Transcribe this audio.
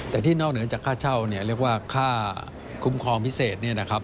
แต่ที่นอกเหนือจากค่าเช่าเรียกว่าค่าคุ้มครองพิเศษ